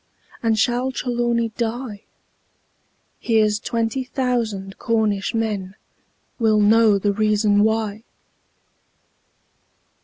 Or shall Trelawny die? Here's twenty thousand Cornish men Will know the reason why!